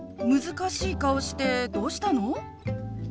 難しい顔してどうしたの？